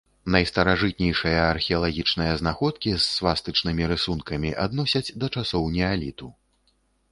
Найстаражытнейшыя археалагічныя знаходкі з свастычнымі рысункамі адносяць да часоў неаліту.